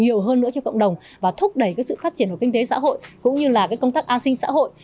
nhiều hơn nữa cho cộng đồng và thúc đẩy sự phát triển của kinh tế xã hội cũng như là công tác an sinh xã hội